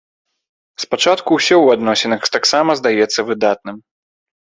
Спачатку ўсё ў адносінах таксама здаецца выдатным.